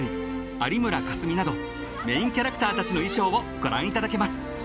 有村架純などメインキャラクターたちの衣装をご覧いただけます］